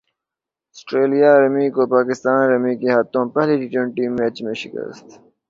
سٹریلیا رمی کو پاکستان رمی کے ہاتھوں پہلے ٹی ٹوئنٹی میچ میں شکست